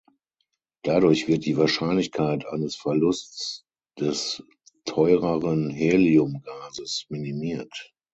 Dadurch wird die Wahrscheinlichkeit eines Verlusts des teureren Helium-Gases minimiert.